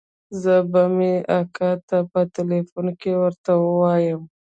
زه به مې اکا ته په ټېلفون کښې ورته ووايم.